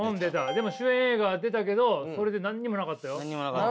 でも主演映画は出たけどそれで何にもなかったよ。